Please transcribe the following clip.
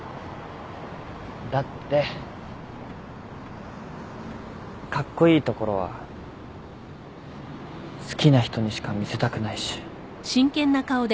だってカッコイイところは好きな人にしか見せたくないし。